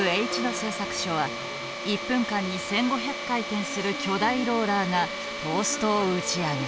製作所は１分間に１，５００回転する巨大ローラーがトーストを打ち上げる。